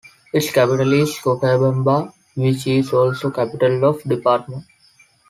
Its capital is Cochabamba which is also the capital of the department.